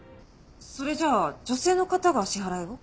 それじゃあ女性の方が支払いを？